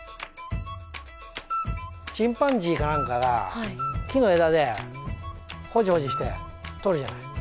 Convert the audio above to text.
チンパンジーかなんかが木の枝でほじほじしてとるじゃない。